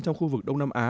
trong khu vực đông nam á